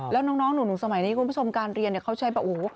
แล้วน้องหนูสมัยนี้คุณผู้ชมการเรียนเขาใช้แบบโอ้โห